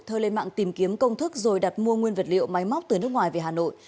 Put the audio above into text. thơ lên mạng tìm kiếm công thức rồi đặt mua nguyên vật liệu máy móc từ nước ngoài về hà nội